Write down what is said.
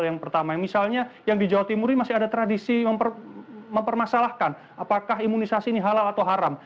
yang pertama misalnya yang di jawa timur ini masih ada tradisi mempermasalahkan apakah imunisasi ini halal atau haram